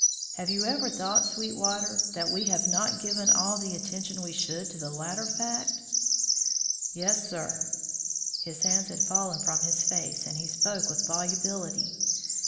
Have you ever thought, Sweetwater, that we have not given all the attention we should to the latter fact?" "Yes, sir." His hands had fallen from his face, and he spoke with volubility.